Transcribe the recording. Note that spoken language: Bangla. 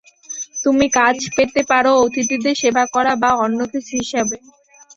তুমি কাজ পেতে পারো অতিথিদের সেবা করা বা অন্য কিছু হিসাবে।